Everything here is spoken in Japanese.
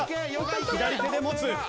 左手で持つ。